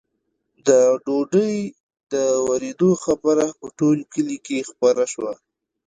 د ډوډۍ د ورېدو خبره په ټول کلي کې خپره شوه.